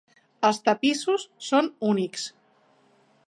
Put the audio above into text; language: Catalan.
Els tapissos són únics.